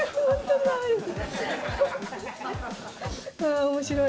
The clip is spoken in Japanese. あ面白い。